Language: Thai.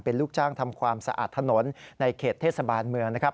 เป็นลูกจ้างทำความสะอาดถนนในเขตเทศบาลเมืองนะครับ